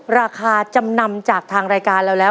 ราคาจำนำจากทางรายการเราแล้ว